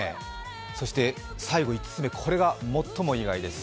そして最後に５つ目、これが最も意外です。